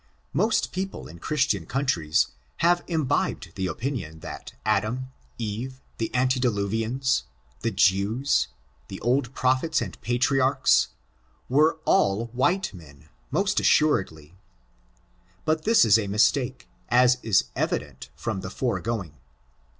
Most people in Christian coimtries have imbibed FORTUNES, OF THE NEGRO RACE. 23 the opinion that Adam, Eve, the antediluvians, thb Jews, the old prophets and patriarchs, were all white men, most assuredly ; but this is a mistake, as is ev ident from the foregoing.